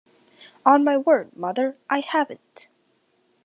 On my word, mother, I haven't!